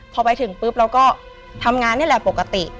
พอไปถึงปุ๊บเราก็ทำงานนี่แหละปกติ